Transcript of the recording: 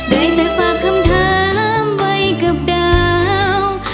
ได้แต่ฝากคำถามไว้กับดาว